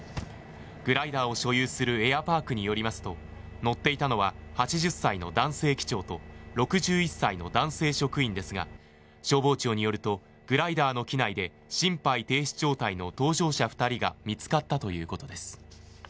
グライダーを所有するエアパークによりますと乗っていたのは８０歳の男性機長と６１歳の男性職員ですが消防庁によるとグライダーの機内で心肺停止状態の搭乗者２人が見つかったということです。